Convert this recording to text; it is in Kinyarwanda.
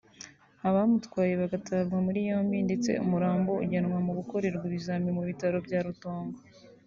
abamutwaye bagatabwa muri yombi ndetse umurambo ujyanwa mu gukorerwa ibizamini mu bitaro bya Rutongo